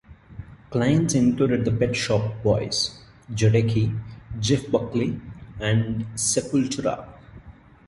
Clients included the Pet Shop Boys, Jodeci, Jeff Buckley and Sepultura.